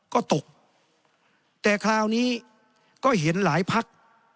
ก็ตกแต่คราวนี้ก็เห็นหลายพัก